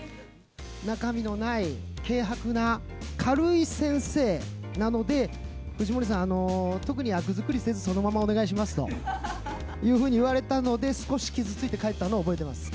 中身のない、軽薄な軽い先生なので、藤森さん、あの、特に役作りせず、そのままお願いしますというふうに言われたので、少し傷ついて帰ったのを覚えてます。